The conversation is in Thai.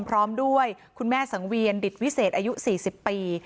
พร้อมด้วยคุณแม่สังเวียนดิตวิเศษอายุ๔๐ปี